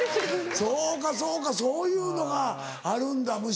そうかそうかそういうのがあるんだ虫。